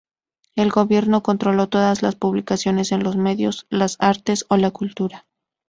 El gobierno controló todas las publicaciones en los medios, las artes, o la cultura.